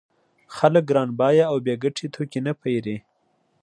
خلک ګران بیه او بې ګټې توکي نه پېري